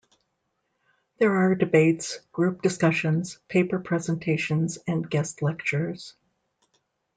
There are debates, group discussions, paper presentations and guest lectures.